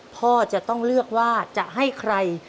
พ่อจะต้องเลือกว่าจะให้ใคร